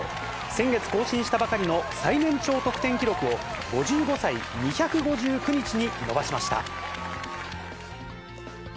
先月更新したばかりの最年長得点記録を、５５歳２５９日に伸ばしました。